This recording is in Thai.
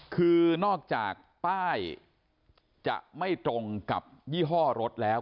คือนอกจากป้ายจะไม่ตรงกับยี่ห้อรถแล้ว